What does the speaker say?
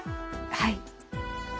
はい。